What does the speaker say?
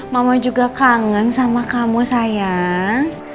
mama juga kangen sama kamu sayang